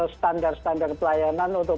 standar standar pelayanan untuk